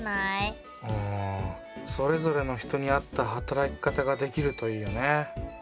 うんそれぞれの人に合った働き方ができるといいよね。